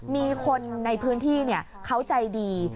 มีคนในพื้นที่เขาใจดี